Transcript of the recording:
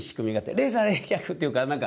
レーザー冷却っていうか、なんか